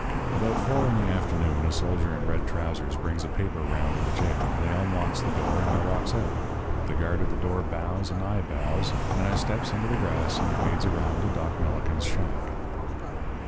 "About four in the afternoon a soldier in red trousers brings a paper round to the jail, and they unlocks the door and I walks out. The guard at the door bows and I bows, and I steps into the grass and wades around to Doc Millikin's shack.